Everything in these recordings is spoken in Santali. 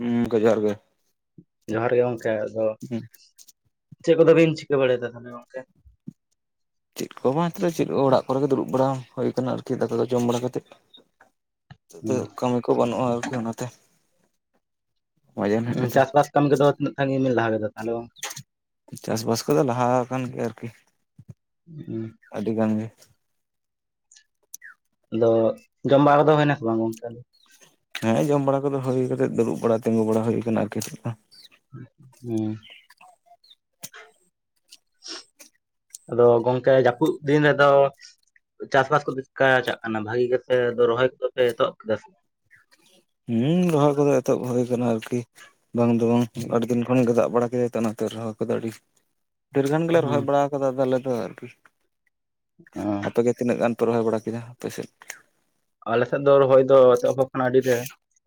ᱦᱩᱸ ᱜᱚ ᱡᱚᱦᱟᱨ ᱜᱮ ᱾ ᱡᱚᱦᱟᱨ ᱜᱮ ᱜᱚᱢᱠᱮ, ᱟᱫᱚ ᱦᱩᱸ ᱪᱮᱫ ᱠᱚᱫᱚ ᱵᱤᱱ ᱪᱤᱠᱟᱹ ᱵᱟᱲᱟᱭᱫᱟ ᱛᱟᱦᱚᱞᱮ ᱜᱚᱝᱠᱮ? ᱪᱮᱫ ᱠᱚ ᱵᱟᱝ ᱱᱤᱛᱚᱜ ᱫᱚ ᱪᱮᱫ ᱠᱚ ᱚᱲᱟᱜ ᱠᱚᱨᱮᱜᱮ ᱫᱩᱲᱩᱵᱲᱟ ᱦᱩᱭ ᱟᱠᱟᱱᱟ ᱟᱨᱠᱤ ᱫᱟᱠᱟ ᱫᱚ ᱡᱚᱢ ᱵᱟᱲᱟ ᱠᱟᱛᱮᱫ ᱾ ᱱᱤᱛᱚᱜ ᱫᱚ ᱠᱟᱹᱢᱤ ᱠᱚ ᱵᱟᱹᱱᱩᱜᱼᱟ ᱟᱨ ᱠᱤ ᱚᱱᱟᱛᱮ ᱾ ᱦᱩᱸ ᱪᱟᱥᱵᱟᱥ ᱠᱟᱹᱢᱤ ᱠᱚᱫᱚ ᱛᱤᱱᱟᱹᱜ ᱛᱷᱟᱹᱜᱩᱤ ᱜᱮ ᱥᱟᱸᱜᱮ ᱞᱟᱦᱟ ᱠᱮᱫᱟ ᱛᱟᱦᱚᱞᱮ? ᱪᱟᱥᱵᱟᱥ ᱠᱚᱫᱚ ᱞᱟᱦᱟ ᱟᱠᱟᱱ ᱜᱮᱭᱟ ᱟᱨᱠᱤ ᱾ [inaudible] ᱟᱹᱰᱤ ᱜᱟᱱ ᱜᱮ ᱾ ᱟᱫᱚ ᱡᱚᱢ ᱵᱟᱲᱟ ᱫᱚ ᱦᱩᱭᱱᱟᱥᱮ ᱵᱟᱝ ᱜᱚᱝᱠᱮ? ᱦᱮᱸ ᱡᱚᱢ ᱵᱟᱲᱟ ᱠᱚᱫᱚ ᱦᱩᱭ ᱠᱟᱛᱮ ᱫᱩᱲᱩᱵ ᱵᱟᱲᱟ, ᱛᱤᱸᱜᱩ ᱵᱟᱲᱟ ᱦᱩᱭ ᱟᱠᱟᱱᱟ ᱟᱨᱠᱤ᱾ ᱦᱮᱸ [inaudible] ᱟᱫᱚ ᱜᱚᱝᱠᱮ ᱡᱟᱹᱯᱩᱫ ᱫᱤᱱ ᱨᱮᱫᱚ ᱪᱟᱥᱵᱟᱥ ᱠᱚᱫᱚ ᱪᱤᱠᱟ ᱪᱟᱜ ᱠᱟᱱᱟ ᱵᱷᱟᱜᱤ ᱜᱮᱯᱮ ᱫᱚ ᱨᱚᱦᱚᱭ ᱠᱚᱫᱚᱯᱮ ᱮᱛᱚᱦᱚᱵ ᱠᱮᱫᱟ ᱥᱮ ᱦᱩᱸ ᱨᱚᱦᱚᱭ ᱠᱚᱫᱚ ᱮᱛᱚᱦᱚᱵ ᱦᱩᱭ ᱠᱟᱱᱟ ᱟᱨᱠᱤ ᱵᱟᱝ ᱫᱚ ᱵᱟᱝ ᱟᱹᱰᱤ ᱫᱤᱱ ᱠᱷᱚᱱ ᱜᱮ ᱫᱟᱜ ᱵᱟᱲᱟ ᱠᱮᱫᱟᱭ ᱚᱱᱟ ᱛᱮ ᱨᱚᱦᱚᱭ ᱠᱚᱫᱚ ᱟᱹᱰᱤ ᱰᱷᱮᱨ ᱜᱟᱱ ᱜᱮᱞᱮ ᱦᱮᱸ ᱨᱚᱦᱚᱭ ᱵᱟᱲᱟ ᱠᱟᱫᱟ ᱟᱞᱮ ᱫᱚ ᱟᱨᱠᱤ ᱚ ᱟᱯᱮᱜᱮ ᱛᱤᱱᱟᱹᱜ ᱜᱟᱱ ᱯᱮ ᱨᱚᱦᱚᱭ ᱵᱟᱲᱟ ᱠᱮᱫᱟ ᱟᱯᱮ ᱥᱮᱫ᱾ ᱟᱞᱮᱥᱮᱫ ᱫᱚ ᱨᱚᱦᱚᱭ ᱫᱚ ᱮᱛᱚᱦᱚᱵ ᱟᱠᱟᱱᱟ ᱟᱹᱰᱤ ᱨᱮ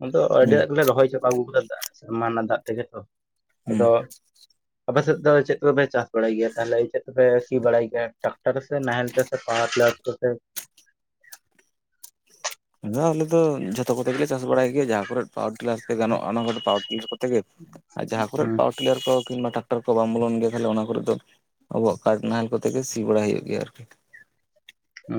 ᱟᱫᱚ ᱟᱹᱰᱤ ᱦᱩᱸ ᱟᱜ ᱜᱮ ᱞᱮ ᱨᱚᱦᱚᱭ ᱪᱚᱜ ᱟᱹᱜᱩ ᱠᱟᱫᱟ ᱫᱟᱜ ᱥᱟᱢᱟᱱ ᱱᱚ ᱫᱟᱜ ᱛᱮᱜᱮ ᱛᱚ, ᱦᱩᱸ ᱟᱫᱚ ᱟᱯᱮ ᱥᱮᱫ ᱫᱚ ᱪᱮᱫ ᱛᱚᱯᱮ ᱪᱟᱥ ᱵᱟᱲᱟᱭ ᱜᱮᱭᱟ ᱛᱟᱷᱞᱮ ᱪᱮᱜ ᱛᱮᱯᱮ ᱥᱤ ᱵᱟᱲᱟᱭ ᱜᱮᱭᱟ᱾ ᱴᱟᱠᱴᱟᱨ ᱥᱮ ᱱᱟᱦᱮᱞ ᱛᱮ ᱥᱮ ᱯᱟᱣᱟᱨ ᱴᱤᱞᱟᱨ ᱠᱚᱛᱮ? ᱱᱚᱣᱟ ᱟᱞᱮ ᱫᱚ ᱡᱷᱚᱛᱚ ᱠᱚᱛᱮ ᱜᱮᱞᱮ ᱪᱟᱥ ᱵᱟᱲᱟᱭ ᱜᱮᱭᱟ ᱡᱟᱦᱟᱸ ᱠᱚᱨᱮᱜ ᱯᱟᱣᱟᱨ ᱴᱤᱞᱟᱨ ᱛᱮ ᱜᱟᱱᱚᱜᱼᱟ ᱾ ᱚᱱᱟ ᱠᱚᱫᱚ ᱯᱟᱣᱟᱨ ᱴᱤᱞᱟᱨ ᱠᱚᱛᱮ ᱜᱮ ᱟᱨ ᱡᱟᱦᱟᱸ ᱠᱚᱨᱮ ᱦᱩᱸ ᱯᱟᱣ ᱴᱤᱭᱟᱨ ᱠᱚ ᱠᱤᱝᱵᱟ ᱴᱟᱠᱴᱟᱨ ᱠᱚ ᱵᱟᱢ ᱵᱚᱱᱞᱚᱱ ᱜᱮᱭᱟ ᱛᱮ ᱠᱷᱟᱞᱤ ᱚᱱᱟ ᱠᱚᱨᱮ ᱫᱚ ᱟᱵᱚᱣᱟᱜ ᱠᱟᱴ ᱱᱟᱦᱮᱞ ᱠᱚᱛᱮ ᱜᱮ ᱥᱤ ᱵᱟᱲᱟᱭ ᱦᱩᱭᱩᱜ ᱜᱮᱭᱟ ᱟᱨᱠᱤ᱾ ᱚ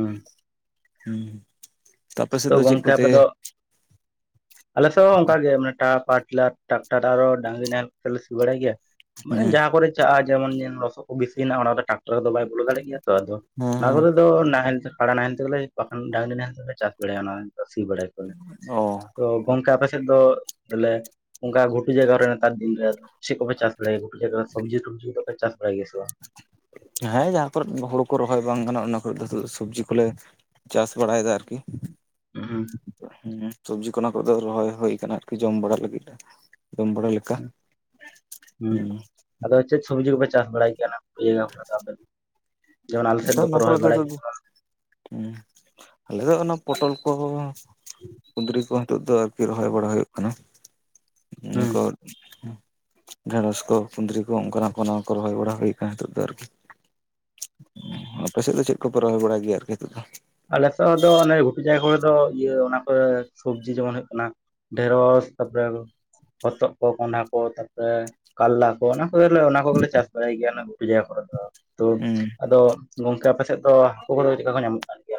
ᱦᱩᱸ ᱦᱩᱸ ᱛᱚ ᱜᱚᱢᱠᱮ ᱟᱯᱮ ᱫᱚ [inaudible] ᱟᱞᱮᱥᱮᱫ ᱦᱚ ᱚᱝᱠᱟᱜᱮ ᱴᱟ ᱯᱟᱴᱞᱟᱨ ᱴᱟᱠᱴᱟᱴᱟᱨᱚᱰ ᱰᱟᱝᱨᱤ ᱱᱟᱦᱮᱞ ᱠᱚᱛᱮ ᱞᱮ ᱥᱤᱵᱟᱲᱟᱭ ᱜᱤᱭᱟ᱾ ᱢᱟᱱᱮ ᱦᱮᱸ ᱡᱟᱦᱟᱸ ᱠᱚᱨᱮ ᱪᱟᱜᱼᱟ ᱡᱮᱢᱚᱱ ᱫᱤᱱ ᱞᱚᱥᱚᱫ ᱠᱚ ᱵᱤᱥᱤᱭᱮᱱᱟ ᱚᱱᱟᱫᱚ ᱴᱟᱠᱴᱟᱨ ᱨᱮᱫᱚ ᱵᱟᱭ ᱵᱚᱞᱚ ᱫᱟᱲᱮᱜ ᱜᱮᱭᱟ ᱾ ᱛᱚ ᱟᱫᱚ ᱚᱱᱟ ᱦᱮᱸ ᱠᱚᱨᱮ ᱫᱚ ᱱᱟᱦᱮᱞ ᱛᱮ ᱠᱟᱲᱟ ᱱᱟᱦᱮᱞ ᱛᱮᱜᱮᱞᱮ ᱵᱟᱠᱷᱟᱱ ᱰᱟᱝᱨᱤ ᱱᱟᱦᱮᱞ ᱛᱮᱞᱮ ᱪᱟᱥ ᱵᱟᱲᱟᱭᱟ ᱚᱱᱟ᱾ ᱥᱤ ᱵᱟᱲᱟᱭ ᱠᱚ ᱨᱮ ᱚ ᱛᱚ ᱜᱚᱝᱠᱮ ᱟᱯᱮ ᱥᱮᱫ ᱫᱚ ᱵᱚᱞᱮ ᱚᱝᱠᱟ ᱜᱷᱩᱴᱩ ᱡᱟᱭᱜᱟ ᱨᱮ ᱱᱮᱛᱟᱨ ᱫᱤᱱ ᱨᱮ ᱪᱮᱜ ᱠᱚ ᱯᱮ ᱪᱟᱥ ᱵᱟᱲᱟᱭ ᱜᱮ ᱜᱷᱩᱴᱩ ᱡᱟᱭᱜᱟ ᱨᱮ ᱥᱚᱵᱡᱤ ᱴᱚᱵᱡᱤ ᱫᱚ ᱯᱮ ᱪᱟᱥ ᱵᱟᱲᱟᱭ ᱜᱮᱭᱟ ᱵᱟᱝ? ᱦᱮᱸ ᱡᱟᱦᱟᱸ ᱠᱚᱨᱮᱫ ᱦᱩᱲᱩ ᱠᱚ ᱨᱚᱦᱚᱭ ᱵᱟᱝ ᱜᱟᱱᱚᱜᱼᱟ ᱚᱱᱟ ᱠᱚᱨᱮ ᱫᱚ ᱥᱚᱵᱡᱤ ᱠᱚᱞᱮ ᱪᱟᱥ ᱵᱟᱲᱟᱭᱫᱟ ᱟᱨᱠᱤ᱾ [unintelligible] ᱦᱩᱸ ᱥᱚᱵᱡᱤ ᱠᱚ ᱚᱱᱟ ᱠᱚ ᱫᱚ ᱨᱚᱦᱚᱭ ᱦᱳᱭ ᱠᱟᱱᱟ ᱟᱨᱠᱤ ᱡᱚᱢ ᱵᱟᱲᱟ ᱞᱟᱹᱜᱤᱫ ᱡᱚᱢ ᱵᱟᱲᱟ ᱞᱮᱠᱟ ᱦᱩᱸ ᱦᱮᱸ ᱟᱫᱚ ᱪᱮᱜ ᱥᱚᱵᱽᱡᱤ ᱠᱚᱯᱮ ᱪᱟᱥ ᱵᱟᱲᱟᱭ [unintelligible] ᱡᱮᱢᱚᱱ ᱟᱞᱮ ᱥᱮᱫ ᱫᱚᱠᱚ ᱨᱚᱦᱚᱭ ᱵᱟᱲᱟᱭ ᱦᱩᱸ ᱟᱞᱮ ᱫᱚ ᱚᱱᱟ ᱯᱚᱴᱚᱞ ᱠᱚ ᱠᱩᱫᱽᱨᱤ ᱠᱚ ᱱᱤᱛᱚᱜ ᱫᱚ ᱟᱨᱠᱤ ᱨᱚᱦᱚᱭ ᱵᱟᱲᱟ ᱦᱩᱭᱩᱜ ᱠᱟᱱᱟ ᱱᱤ ᱦᱩᱸ ᱠᱚ ᱰᱷᱮᱸᱲᱚᱥ ᱠᱚ ᱠᱩᱸᱫᱽᱨᱤ ᱠᱚ ᱚᱝᱠᱟᱱᱟᱜ ᱠᱚ ᱚᱱᱟ ᱠᱚ ᱨᱚᱦᱚᱭ ᱵᱟᱲᱟ ᱦᱳᱭ ᱠᱟᱱᱟ ᱦᱤᱛᱚᱜ ᱫᱚ ᱟᱨᱠᱤ ᱟᱯᱮ ᱥᱮᱫ ᱫᱚ ᱪᱮᱜ ᱠᱚᱯᱮ ᱨᱚᱦᱚᱭ ᱵᱟᱲᱟᱭ ᱜᱮᱭᱟ ᱟᱨᱠᱤ ᱦᱤᱛᱚᱜ ᱫᱚ ᱾ ᱟᱞᱮᱥᱚ ᱫᱚ ᱚᱱᱮ ᱜᱷᱩᱴᱩ ᱡᱟᱭᱜᱟ ᱠᱚᱨᱮ ᱫᱚ ᱤᱭᱟᱹ ᱚᱱᱟ ᱠᱚ ᱥᱚᱵᱡᱤ ᱡᱮᱢᱚᱱ ᱦᱩᱭᱩᱜ ᱠᱟᱱᱟ᱾ ᱰᱷᱮᱨᱚᱥ ᱛᱟ ᱯᱚᱨᱮ ᱟᱫᱚ ᱦᱚᱛᱚᱜ ᱠᱚ ᱠᱚᱸᱰᱷᱟ ᱠᱚ ᱛᱟᱯᱚᱨᱮ ᱠᱟᱞᱞᱟ ᱠᱚ ᱚᱱᱟ ᱠᱚᱞᱮ ᱚᱱᱟ ᱠᱚᱦᱚ ᱠᱚᱞᱮ ᱪᱟᱥ ᱵᱟᱲᱟᱭ ᱜᱮᱭᱟ ᱚᱱᱟ ᱜᱷᱩᱴᱩ ᱡᱟᱭᱜᱟ ᱠᱚᱨᱮ ᱫᱚ ᱛᱚ ᱦᱩᱸ ᱟᱫᱚ ᱜᱚᱝᱠᱮ ᱟᱯᱮ ᱥᱮᱫ ᱛᱚ ᱦᱟᱠᱳ ᱠᱚᱫᱚ ᱪᱮᱠᱟ ᱠᱚ ᱧᱟᱢᱚᱜ ᱠᱟᱱ ᱜᱮᱭᱟ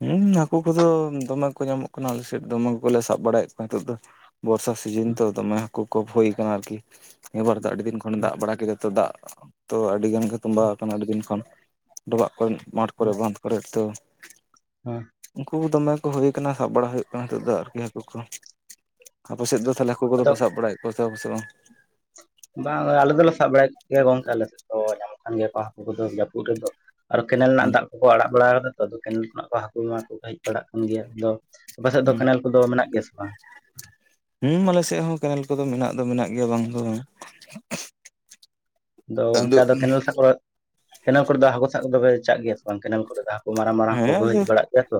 ᱦᱩᱸ ᱦᱟᱹᱠᱩ ᱠᱚᱫᱚ ᱫᱚᱢᱮ ᱠᱚ ᱧᱟᱢᱚᱜ ᱠᱟᱱᱟ ᱟᱞᱮ ᱥᱮᱫ ᱫᱚᱢᱮᱞ ᱠᱚᱞᱮ ᱥᱟᱵ ᱵᱟᱲᱟᱮᱫ ᱠᱚᱣᱟ ᱦᱤᱛᱚᱜ ᱫᱚ ᱾ ᱵᱚᱨᱥᱟ ᱥᱤᱡᱤᱱ ᱛᱚ ᱫᱚᱢᱮ ᱠᱚᱠᱚᱯ ᱦᱳᱭ ᱠᱟᱱᱟ ᱟᱨᱠᱤ ᱱᱤᱭᱟᱹᱵᱟᱨ ᱫᱚ ᱟᱹᱰᱤ ᱫᱤᱱ ᱠᱷᱚᱱᱮ ᱫᱟᱜ ᱵᱟᱲᱟ ᱠᱮᱫᱟ ᱛᱚ ᱫᱟᱜ ᱛᱚ ᱟᱹᱰᱤ ᱜᱟᱱ ᱛᱩᱢᱵᱟ ᱠᱟᱱᱟ ᱟᱹᱰᱤ ᱫᱤᱱ ᱠᱷᱚᱱ ᱰᱚᱵᱟᱜ ᱠᱚᱨᱮ ᱢᱟᱴᱷ ᱠᱚᱨᱮ ᱵᱟᱸᱫᱷ ᱠᱚᱨᱮ ᱛᱚ ᱦᱮᱸ ᱩᱱᱠᱩ ᱫᱚᱢᱮ ᱠᱚ ᱦᱳᱭ ᱠᱟᱱᱟ ᱥᱟᱵ ᱵᱟᱲᱟ ᱦᱳᱭᱳᱜ ᱠᱟᱱᱟ ᱦᱤᱛᱚᱜ ᱫᱚ ᱟᱨᱠᱤ ᱦᱟᱹᱠᱳ ᱠᱚ ᱟᱯᱮ ᱥᱮᱫ ᱫᱚ ᱛᱟᱷᱞᱮ ᱦᱟᱹᱠᱳ ᱠᱚᱫᱚ ᱟᱫᱚ ᱯᱮ ᱥᱟᱵ ᱵᱟᱲᱟᱭᱮᱫ ᱠᱚᱣᱟ ᱥᱮ ᱥᱮ ᱵᱟᱝ ᱵᱟᱝ ᱟᱞᱮ ᱫᱚᱞᱮ ᱥᱟᱵ ᱵᱟᱲᱟᱭᱮᱫ ᱠᱤᱭᱟ ᱜᱚᱝᱠᱮ ᱟᱞᱮ ᱥᱮᱫ ᱫᱚ ᱧᱟᱢᱚᱜ ᱠᱟᱱ ᱜᱮᱭᱟ ᱠᱚ ᱦᱟᱹᱠᱩ ᱠᱚᱫᱚ ᱡᱟᱹᱯᱩᱫ ᱨᱮᱫᱚ ᱟᱨ ᱠᱮᱱᱮᱞ ᱨᱮᱱᱟᱜ ᱫᱟᱜ ᱠᱚᱠᱚ ᱟᱲᱟᱜ ᱵᱟᱲᱟ ᱠᱟᱫᱟ ᱛᱚ ᱟᱫᱚ ᱠᱮᱱᱮᱞ ᱠᱷᱚᱱᱟᱜ ᱠᱚ ᱦᱟᱹᱠᱳ ᱢᱟ ᱠᱚ ᱦᱮᱡ ᱵᱟᱲᱟᱜ ᱠᱟᱱ ᱜᱮᱭᱟ ᱟᱫᱚ ᱟᱯᱟᱥᱮᱫ ᱫᱚ ᱦᱩᱸ ᱠᱮᱱᱮᱞ ᱠᱚᱫᱚ ᱢᱮᱱᱟᱜ ᱜᱮᱭᱟ ᱥᱮ ᱵᱟᱝ ᱦᱩᱸ ᱟᱞᱮ ᱥᱮᱜ ᱦᱚᱸ ᱠᱮᱱᱮᱞ ᱠᱚᱫᱚ ᱢᱮᱱᱟᱜ ᱫᱚ ᱢᱮᱱᱟᱜ ᱜᱮᱭᱟ ᱵᱟᱝ ᱫᱚ ᱵᱟᱝ ᱫᱚ ᱚᱝᱠᱮ ᱟᱫᱚ ᱠᱮᱱᱮᱞ ᱠᱮᱱᱮᱞ ᱠᱚᱨᱮ ᱫᱚ ᱦᱟᱹᱠᱳ ᱥᱟᱵ ᱠᱚᱫᱚ ᱯᱮ ᱪᱟᱜ ᱜᱮᱭᱟ ᱥᱮ ᱵᱟᱝ ᱠᱮᱱᱮᱞ ᱠᱚᱨᱮ ᱫᱚ ᱦᱟᱹᱠᱳ ᱢᱟᱨᱟᱝ ᱢᱟᱨᱟᱝ ᱦᱚᱠᱳ ᱦᱮᱸ ᱠᱚ ᱦᱮᱡ ᱟᱫᱚ ᱵᱟᱲᱟᱜ ᱜᱮᱭᱟ ᱛᱚ